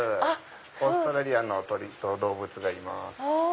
オーストラリアの鳥と動物がいます。